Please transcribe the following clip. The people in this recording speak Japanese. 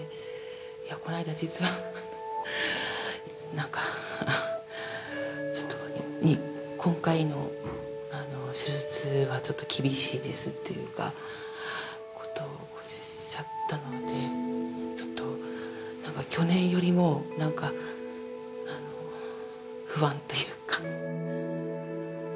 この間実はなんかちょっと「今回の手術はちょっと厳しいです」っていうことをおっしゃったのでちょっと去年よりもなんか不安というか。